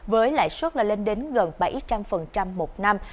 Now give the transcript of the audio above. với lãi suất lên đến gần bảy trăm linh một năm